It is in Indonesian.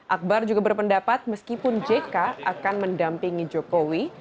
akbar juga berpendapat meskipun jk akan mendampingi jokowi